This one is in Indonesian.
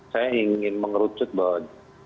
saya ingin mengerucut bahwa